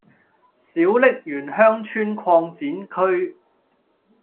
小瀝源鄉村擴展區